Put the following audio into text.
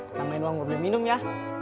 kita main uang buat beli minum ya